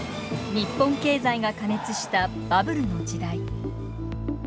日本経済が過熱したバブルの時代。